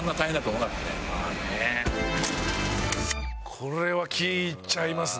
これは聞いちゃいますね